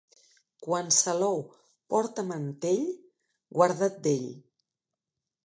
Quan Salou porta mantell, guarda't d'ell.